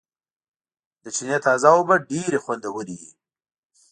د چينې تازه اوبه ډېرې خوندورېوي